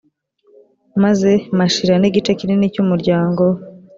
maze mashira n’igice kinini cy’umuryango we